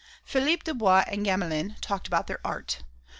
Philippe Dubois and Gamelin talked about their art.